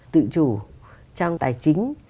tự chủ trong tài chính